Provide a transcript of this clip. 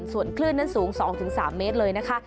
ส่วนคลื่นนั้นสูง๒๓เมตรเลยนะคะ